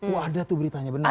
wah ada tuh beritanya benar